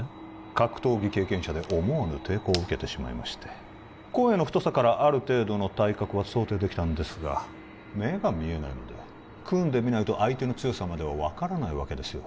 格闘技経験者で思わぬ抵抗を受けてしまいまして声の太さからある程度の体格は想定できたんですが目が見えないので組んでみないと相手の強さまでは分からないわけですよ